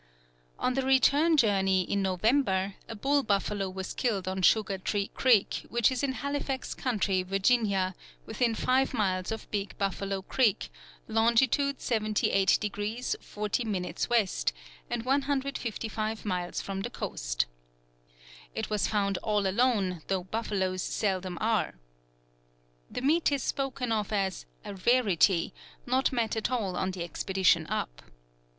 On the return journey, in November, a bull buffalo was killed on Sugar Tree Creek, which is in Halifax County, Virginia, within 5 miles of Big Buffalo Creek; longitude 78° 40' W., and 155 miles from the coast. "It was found all alone, tho' Buffaloes Seldom are." The meat is spoken of as "a Rarity," not met at all on the expedition up.